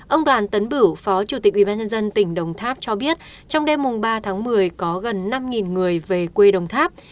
ông đoàn tấn bửu phó chủ tịch ubnd tỉnh đồng tháp cho biết trong đêm ba tháng một mươi có gần năm người về quê đồng tháp